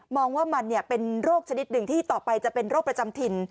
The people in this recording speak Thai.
ว่ามันเป็นโรคชนิดหนึ่งที่ต่อไปจะเป็นโรคประจำถิ่น